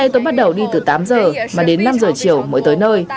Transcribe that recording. tôi bắt đầu đi từ tám giờ mà đến năm giờ chiều mới tới nơi